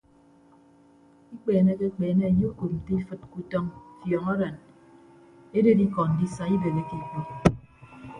Ikpeenekekpeene enye okop nte ifịd ke utọñ fiọñaran eded ikọ ndisa ibeheke ikpọñ.